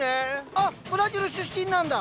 あブラジル出身なんだ。